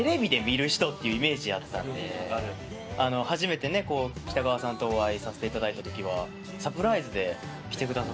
初めて北川さんとお会いさせていただいたときはサプライズで来てくださったので。